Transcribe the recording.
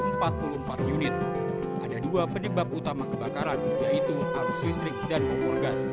ada dua penyebab utama kebakaran yaitu arus listrik dan kompor gas